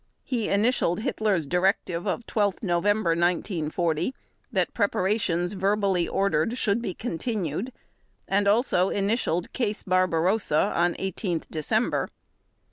He initialed Hitler's directive of 12 November 1940 that preparations verbally ordered should be continued and also initialed "Case Barbarossa" on 18 December.